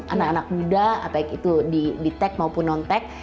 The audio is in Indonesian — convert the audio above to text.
anak anak muda baik itu di detect maupun non tech